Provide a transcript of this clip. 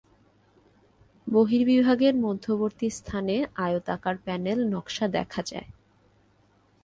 বহির্ভাগের মধ্যবর্তী স্থানে আয়তাকার প্যানেল নকশা দেখা যায়।